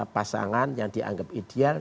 pasangan yang dianggap ideal